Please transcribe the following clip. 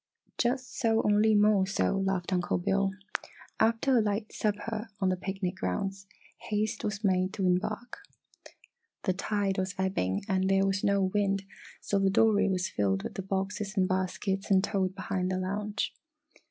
"Just so, only more so!" laughed Uncle Bill. After a light supper on the picnic grounds, haste was made to embark. The tide was ebbing and there was no wind so the dory was filled with the boxes and baskets and towed behind the launch.